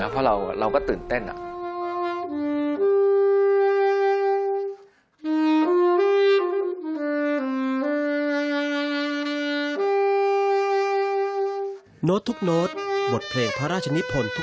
เพราะเราก็ตื่นเต้น